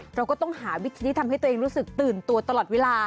เราก็ต้องหาวิธีที่ทำให้ตัวเองรู้สึกตื่นตัวตลอดเวลา